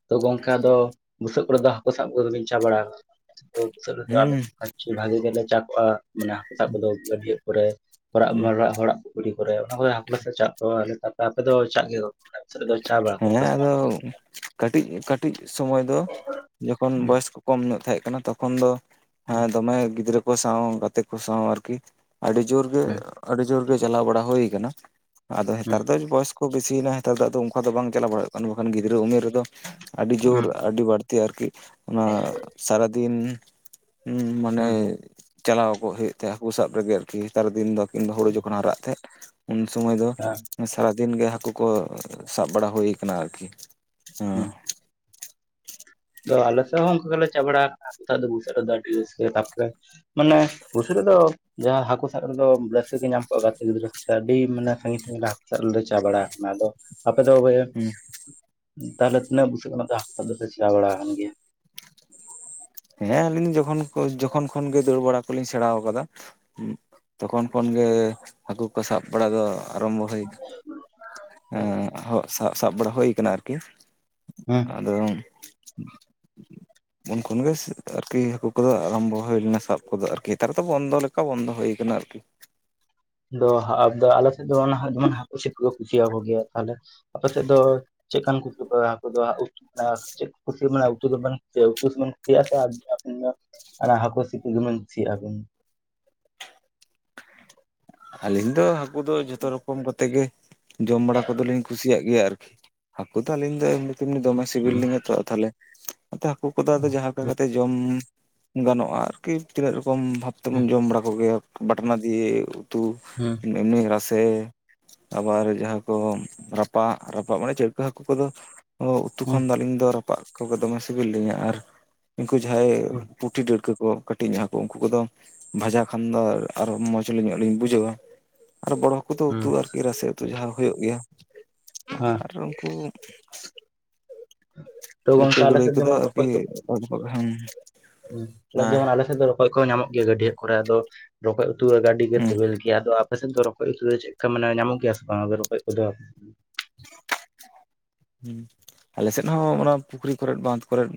ᱛᱚ ᱜᱚᱝᱠᱮ ᱫᱚ ᱵᱩᱥᱟᱹᱜ ᱠᱚᱨᱮ ᱫᱚ ᱦᱟᱹᱠᱩ ᱥᱟᱵ ᱠᱚᱫᱚᱵᱤᱱ ᱪᱟ ᱵᱟᱲᱟᱜᱼᱟ ᱵᱩᱥᱟᱹᱜ ᱨᱮᱫᱚ ᱟ ᱦᱩᱸ ᱵᱷᱟᱜᱤ ᱜᱮᱞᱮ ᱪᱟᱜᱼᱟ ᱢᱟᱱᱮ ᱦᱟᱹᱠᱩ ᱥᱟᱵ ᱠᱚᱫᱚ ᱜᱟᱹᱰᱭᱟᱹ ᱠᱚᱨᱮᱟᱜ ᱦᱩᱸ ᱦᱚᱲᱟᱜ ᱠᱩᱲᱤ ᱠᱚᱨᱮ ᱚᱱᱟ ᱠᱚᱨᱮ ᱦᱟᱹᱠᱩ ᱥᱟᱵ ᱪᱟᱜ ᱠᱚᱣᱟ ᱟᱯᱮ ᱟᱯᱮ ᱫᱚ ᱪᱟᱜ ᱜᱮ ᱦᱮᱸ ᱟᱫᱚ ᱠᱟᱹᱴᱤᱡ ᱠᱟᱹᱴᱤᱡ ᱥᱢᱚᱭ ᱫᱚ ᱡᱚᱠᱷᱚᱱ ᱦᱮᱸ ᱵᱚᱭᱚᱥ ᱠᱚ ᱠᱚᱢ ᱧᱚᱜ ᱛᱟᱦᱮᱸ ᱠᱟᱱᱟ ᱾ ᱛᱚᱠᱷᱚᱱ ᱫᱚ ᱦᱮᱸ ᱫᱚᱢᱮ ᱜᱤᱫᱽᱨᱟᱹ ᱠᱚ ᱥᱟᱶ ᱜᱟᱛᱮ ᱠᱚ ᱥᱟᱶ ᱟᱨᱠᱤ ᱟᱹᱰᱤ ᱡᱳᱨ ᱜᱮ ᱦᱮᱸ ᱟᱹᱰᱤ ᱡᱳᱨ ᱜᱮ ᱪᱟᱞᱟᱣ ᱵᱟᱲᱟ ᱦᱩᱭ ᱟᱠᱟᱱᱟ ᱾ ᱟᱫᱚ ᱱᱮᱛᱟᱨ ᱫᱚ ᱵᱚᱭᱚᱥ ᱠᱚ ᱵᱮᱥᱤ ᱭᱮᱱᱟ ᱱᱮᱛᱟᱨ ᱫᱚ ᱟᱫᱚ ᱚᱠᱟ ᱫᱚ ᱵᱟᱝ ᱪᱟᱞᱟᱣ ᱵᱟᱲᱟᱜ ᱠᱟᱱᱟ ᱵᱟᱠᱷᱟᱱ ᱜᱤᱫᱽᱨᱟᱹ ᱩᱢᱮᱨ ᱨᱮᱫᱚ ᱟᱹᱰᱤ ᱡᱳᱨ ᱦᱮᱸ ᱟᱹᱰᱤ ᱵᱟᱹᱲᱛᱤ ᱟᱨᱠᱤ ᱚᱱᱟ ᱥᱟᱨᱟ ᱫᱤᱱ ᱦᱮᱸ ᱢᱟᱱᱮ ᱪᱟᱞᱟᱣ ᱠᱚᱜ ᱦᱩᱭᱩᱜ ᱛᱟᱦᱮᱸᱜ ᱦᱟᱹᱠᱩ ᱥᱟᱵ ᱨᱮᱜᱮ ᱟᱨᱠᱤ ᱱᱮᱛᱟᱨ ᱫᱤᱱ ᱫᱚ ᱠᱤᱱ ᱫᱚ ᱦᱩᱲᱩ ᱡᱚᱠᱷᱚᱱ ᱦᱟᱜ ᱛᱟᱦᱮᱸᱜ ᱾ ᱩᱱ ᱥᱚᱢᱚᱭ ᱫᱚ ᱥᱟᱨᱟᱫᱤᱱ ᱜᱮ ᱦᱟᱹᱠᱩ ᱠᱚ ᱥᱟᱵ ᱵᱟᱲᱟ ᱦᱩᱭ ᱠᱟᱱᱟ ᱟᱨᱠᱤ ᱾ ᱦᱳ ᱦᱮᱸ ᱟᱞᱮ ᱦᱚᱸ ᱚᱱᱠᱟ ᱜᱮᱞᱮ ᱪᱟᱞᱟ ᱵᱟᱲᱟ ᱟᱠᱟᱱᱟ ᱫᱚ ᱵᱩᱥᱟᱹᱜ ᱨᱮ ᱫᱚ ᱟᱹᱰᱤ ᱨᱟᱹᱥᱠᱟᱹ ᱛᱟᱯᱚᱨᱮ ᱢᱟᱱᱮ ᱠᱩᱥᱤ ᱨᱮᱫᱚ ᱡᱟᱦᱟᱸ ᱦᱟᱹᱠᱩ ᱥᱟᱵ ᱨᱮᱫᱚ ᱨᱟᱹᱥᱠᱟᱹ ᱜᱮ ᱧᱟᱢ ᱠᱚᱜᱼᱟ ᱾ ᱜᱟᱛᱮ ᱜᱤᱫᱽᱨᱟᱹ ᱥᱟᱶᱛᱮ ᱟᱹᱰᱤ ᱢᱟᱱᱮ ᱥᱟᱺᱜᱤᱧ ᱥᱟᱺᱜᱤᱧ ᱦᱟᱹᱠᱩ ᱥᱟ ᱨᱮᱞᱮ ᱪᱟᱜ ᱵᱟᱲᱟ ᱟᱠᱟᱱᱟ ᱟᱫᱚ ᱟᱯᱮ ᱫᱚ? ᱛᱟᱦᱚᱞᱮ ᱛᱤᱱᱟᱹᱜ ᱵᱩᱥᱟᱹᱜ ᱠᱷᱱᱟ ᱦᱟᱠᱩ ᱥᱟᱵ ᱫᱚ ᱯᱮ ᱪᱟᱞᱟ ᱵᱟᱲᱟ ᱟᱠᱟᱱ ᱜᱮᱭᱟ? ᱦᱮᱸ ᱟᱹᱞᱤᱧ ᱡᱚᱠᱷᱚᱱ ᱡᱚᱠᱷᱚᱱ ᱠᱷᱚᱱᱜᱮ ᱫᱟᱹᱲ ᱵᱟᱲᱟ ᱠᱚᱞᱤᱧ ᱥᱮᱬᱟ ᱟᱠᱟᱫᱟ ᱾ ᱛᱚᱠᱷᱚᱱ ᱠᱷᱚᱱᱜᱮ ᱦᱟᱹᱠᱩ ᱠᱚ ᱥᱟᱵ ᱵᱟᱲᱟ ᱫᱚ ᱟᱨᱟᱢᱵᱚ ᱦᱩᱭ ᱠᱟᱱᱟ ᱾ ᱥᱟᱵ ᱥᱟᱵ ᱵᱟᱲᱟ ᱦᱩᱭ ᱠᱟᱱᱟ ᱟᱨᱠᱤ ᱾ ᱦᱮᱸ ᱟᱫᱚ [inaudible] ᱛᱚ ᱠᱷᱚᱱᱚᱱᱜᱮ ᱟᱨᱠᱤ ᱦᱟᱹᱠᱩ ᱠᱚᱫᱚ ᱟᱨᱟᱢᱵᱷᱚ ᱦᱩᱭ ᱞᱮᱱᱟ ᱥᱟᱵ ᱠᱚᱫᱚ ᱟᱨᱠᱤ ᱾ ᱱᱮᱛᱟᱨ ᱫᱚ ᱵᱚᱱᱫᱚ ᱞᱮᱠᱟ ᱵᱚᱱᱫᱚ ᱦᱩᱭᱠᱟᱱᱟ ᱟᱨᱠᱤ ᱾ ᱟᱫᱚ ᱟᱞᱮ ᱥᱮᱫ ᱫᱚ ᱡᱮᱢᱚᱱ ᱦᱟᱹᱠᱩ ᱥᱟᱵ ᱠᱚ ᱠᱩᱥᱤᱭᱟᱠᱚ ᱜᱮᱭᱟ ᱛᱟᱦᱞᱮ ᱟᱯᱮ ᱥᱮᱫ ᱫᱚ ᱪᱮᱫ ᱠᱟᱱ ᱠᱩ ᱫᱚ [unintelligible] ᱪᱮᱫ ᱠᱩᱥᱤ ᱢᱟᱱᱮ ᱩᱛᱩ ᱫᱚ ᱵᱮᱱ ᱪᱮᱫ ᱩᱛᱩ ᱥᱮᱵᱮᱱ ᱠᱩᱥᱤᱭᱟᱜ [unintelligible] ᱚᱱᱟ ᱦᱟᱹᱠᱩ ᱥᱤᱯᱤ ᱜᱮ ᱵᱤᱱ ᱠᱩᱥᱤᱭᱟᱜᱼᱟ ᱵᱤᱱ? ᱟᱹᱞᱤᱧ ᱫᱚ ᱦᱟᱹᱠᱩ ᱫᱚ ᱡᱷᱚᱛᱚ ᱨᱚᱠᱚᱢ ᱠᱟᱛ ᱜᱮ ᱡᱚᱢ ᱵᱟᱲᱟ ᱠᱚᱫᱚᱞᱤᱧ ᱠᱩᱥᱤᱭᱟᱜ ᱜᱮᱭᱟ ᱟᱨᱠᱤ ᱾ ᱦᱟᱹᱠᱩ ᱫᱚ ᱟᱹᱞᱤᱧ ᱫᱚ ᱮᱢᱱᱤ ᱛᱮᱢᱱᱤ ᱫᱚᱢᱮ ᱥᱤᱵᱤᱞ ᱞᱤᱧ ᱮᱛᱚᱜᱼᱟ ᱛᱟᱦᱚᱞᱮ ᱱᱛᱮ ᱦᱟᱹᱠᱩ ᱠᱚᱫᱚ ᱟᱫᱚ ᱦᱩᱸ ᱡᱟᱦᱟᱸ ᱠᱟ ᱠᱟᱛᱮ ᱡᱚᱢ ᱜᱟᱱᱚᱜᱼᱟ ᱟᱨᱠᱤ ᱾ ᱠᱤ ᱛᱤᱱᱟᱹᱜ ᱨᱚᱠᱚᱢ ᱵᱷᱟᱵ ᱛᱮᱵᱚᱱ ᱦᱩᱸ ᱡᱚᱢ ᱵᱟᱲᱟ ᱠᱚᱜᱮᱭᱟ ᱵᱟᱴᱱᱟ ᱫᱤᱭᱮ ᱩᱛᱩ ᱦᱩᱸ ᱢᱤᱢᱱᱤ ᱨᱟᱥᱮ ᱟᱵᱟᱨ ᱡᱟᱦᱟᱸ ᱠᱚ ᱨᱟᱯᱟᱜ ᱨᱟᱯᱟᱜ ᱢᱟᱱᱮ ᱪᱟᱫ ᱠᱟ ᱦᱟᱹᱠᱩ ᱠᱚᱫᱚ ᱩᱛᱩ ᱦᱩᱸ ᱠᱷᱚᱱ ᱫᱚ ᱟᱹᱞᱤᱧ ᱫᱚ ᱨᱟᱯᱟᱜ ᱠᱚᱜᱮ ᱫᱚᱢᱮ ᱥᱤᱵᱤᱞ ᱞᱤᱧᱟ ᱟᱨ ᱩᱱᱠᱩ ᱡᱟᱦᱟᱸᱭ ᱦᱩᱸ ᱯᱩᱴᱷᱤ ᱰᱟᱹᱴᱠᱟᱹ ᱠᱚ ᱠᱟᱹᱴᱤᱡ ᱡᱟᱦᱟᱸ ᱠᱚ ᱩᱱᱠᱩ ᱠᱚᱫᱚ ᱵᱷᱟᱡᱟ ᱠᱷᱟᱱ ᱫᱚ ᱟᱨᱚ ᱢᱚᱸᱡᱽ ᱞᱮ ᱚᱴᱠᱟ ᱞᱤᱧ ᱵᱩᱡᱷᱟᱹᱣᱟ ᱟᱨ ᱵᱚᱰ ᱦᱟᱹᱠᱩ ᱫᱚ ᱦᱩᱸ ᱩᱛᱩ ᱟᱨᱠᱤ ᱨᱟᱥᱮ ᱩᱛᱩ ᱡᱟᱦᱟᱸ ᱠᱤ ᱦᱩᱭᱩᱜ ᱜᱮᱭᱟ ᱾ ᱦᱮᱸ ᱟᱨ ᱩᱱᱠᱩ ᱛᱚ ᱪᱤᱲᱠᱟᱹ ᱜᱚᱝᱠᱮ ᱟᱞᱮ ᱜᱟᱹᱲᱟᱹᱭ ᱥᱮᱫ ᱠᱚᱫᱚ ᱡᱮᱢᱚᱱ ᱟᱨᱠᱤ [inaudible] ᱦᱮᱸ ᱡᱮᱢᱚᱱ ᱟᱞᱮ ᱥᱮᱫ ᱫᱚ ᱨᱚᱠᱚᱡ ᱠᱚᱸ ᱧᱟᱢᱚᱜ ᱜᱮᱭᱟ‌ ᱾ ᱜᱟᱹᱰᱤᱭᱟᱹ ᱠᱚᱨᱮ ᱟᱫᱚ ᱨᱚᱠᱚᱡ ᱩᱛᱩ ᱟᱹᱰᱤ ᱜᱮ ᱥᱤᱵᱮᱞ ᱜᱮ ᱭᱟ ᱟᱫᱚ ᱟᱯᱮ ᱥᱮᱫ ᱫᱚ ᱨᱚᱠᱚᱡ ᱩᱛᱩ ᱫᱚ ᱪᱮᱫᱠᱟ ᱢᱟᱱᱮ ᱧᱟᱢᱚᱜ ᱜᱮᱭᱟ ᱵᱟᱝ ᱨᱚᱠᱚᱡ ᱠᱚᱫᱚ? [inaudible] ᱦᱩᱸ ᱟᱞᱮ ᱥᱮᱫ ᱦᱚᱸ ᱚᱱᱟ ᱯᱩᱠᱷᱨᱤ ᱠᱚᱨᱮᱫ ᱵᱟᱸᱫᱷ ᱠᱚᱨᱮᱫ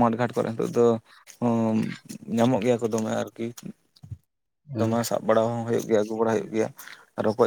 ᱢᱟᱴ ᱜᱷᱟᱴ ᱠᱚ ᱨᱮ ᱱᱤᱛᱚᱜ ᱫᱚ ᱦᱳᱸ ᱧᱟᱢᱚᱜ ᱜᱮᱭᱟ ᱠᱚ ᱫᱚᱢᱮ ᱟᱨᱠᱤ ᱾ ᱫᱚᱢᱮ ᱥᱟᱵ ᱵᱟᱲᱟ ᱦᱚᱸ ᱦᱩᱭᱩᱜ ᱜᱮᱭᱟ ᱾ ᱟᱹᱜᱩ ᱵᱟᱲᱟ ᱦᱩᱭᱩᱜ ᱜᱮᱭᱟ ᱨᱚᱠᱚᱡ ᱾